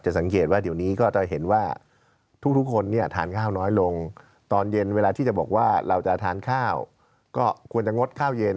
สังเกตว่าเดี๋ยวนี้ก็จะเห็นว่าทุกคนเนี่ยทานข้าวน้อยลงตอนเย็นเวลาที่จะบอกว่าเราจะทานข้าวก็ควรจะงดข้าวเย็น